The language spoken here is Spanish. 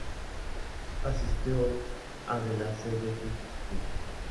Asistió a De La Salle High School.